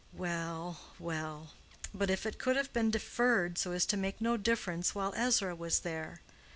Well, well—but if it could have been deferred so as to make no difference while Ezra was there!